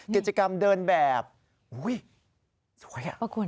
กิจกรรมเดินแบบอุ้ยสวยอ่ะคุณ